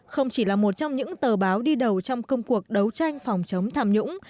không chỉ là một trong những tờ báo đi đầu trong công cuộc đấu tranh phòng chống tham nhũng